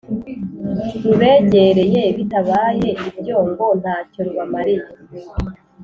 rubegereye bitabaye ibyo ngo ntacyo rubamariye.